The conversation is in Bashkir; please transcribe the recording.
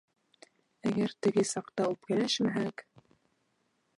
Әгәр теге саҡта үпкәләшмәһәк...